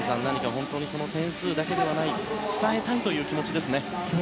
本当に点数だけではない伝えたいという気持ちですね。